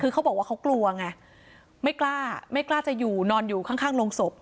คือเขาบอกว่าเขากลัวไงไม่กล้าไม่กล้าจะอยู่นอนอยู่ข้างโรงศพ